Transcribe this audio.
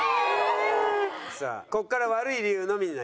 さあここから悪い理由のみになります。